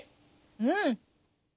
うん！